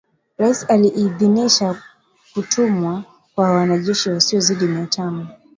Rais aliidhinisha kutumwa kwa wanajeshi wasiozidi mia tano